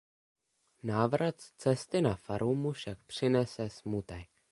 Návrat z cesty na faru mu však přinese smutek.